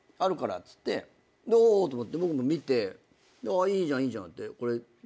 おおと思って僕も見ていいじゃんいいじゃんって。